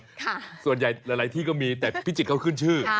ส่วนใหญ่หลายที่ก็มีแต่พิจิตรเขาขึ้นชื่อ